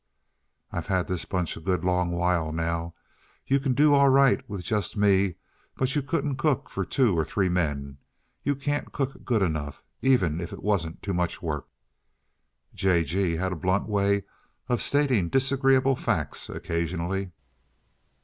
I've had this bunch a good long while, now. You can do all right with just me, but you couldn't cook for two or three men; you can't cook good enough, even if it wasn't too much work." J. G. had a blunt way of stating disagreeable facts, occasionally.